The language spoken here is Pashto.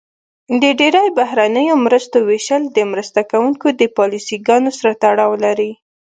د ډیری بهرنیو مرستو ویشل د مرسته کوونکو د پالیسي ګانو سره تړاو لري.